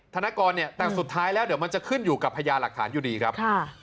ธนกรเนี่ยแต่สุดท้ายแล้วเดี๋ยวมันจะขึ้นอยู่กับพญาหลักฐานอยู่ดีครับ